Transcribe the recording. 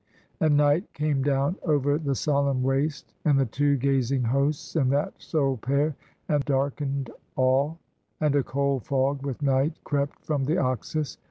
And night came down over the solemn waste. And the two gazing hosts, and that sole pair, 292 SOHRAB'S LAST CONTEST And darkcn'd all; and a cold fog, with night, Crept from the Oxus.